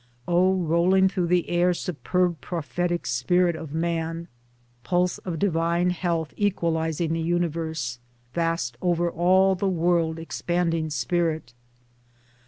O rolling through the air superb prophetic spirit of Man, pulse of divine health equalising the universe, vast over all the world expanding spirit